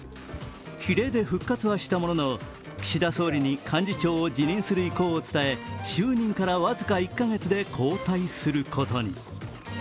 比例で復活はしたものの岸田総理に幹事長を辞任する意向を伝え就任から僅か１カ月で交代することに。